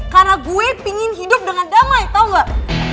karena gue pingin hidup dengan damai tau nggak